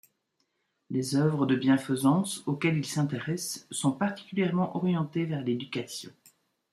Les œuvres de bienfaisance auxquelles il s’intéresse sont particulièrement orientées vers l’éducation.